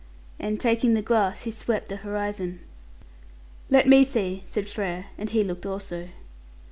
And, taking the glass, he swept the horizon. "Let me see," said Frere; and he looked also.